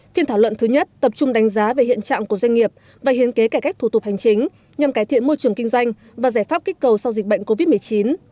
phiên thảo luận thứ nhất tập trung đánh giá về hiện trạng của doanh nghiệp và hiến kế cải cách thủ tục hành chính nhằm cải thiện môi trường kinh doanh và giải pháp kích cầu sau dịch bệnh covid một mươi chín